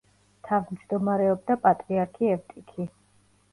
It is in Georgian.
თავჯდომარეობდა პატრიარქი ევტიქი.